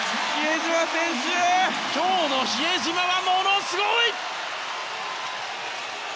今日の比江島はものすごい！